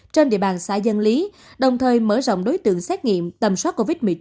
trên địa bàn xã dân lý đồng thời mở rộng đối tượng xét nghiệm tầm soát covid một mươi chín